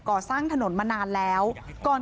ปี๖๕วันเกิดปี๖๔ไปร่วมงานเช่นเดียวกัน